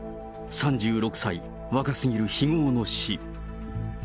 ３６歳、若すぎる非業の死。